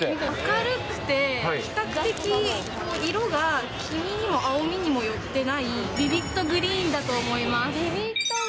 明るくて、比較的色が黄みにも青みにも寄ってない、ビビットグリーンだと思います。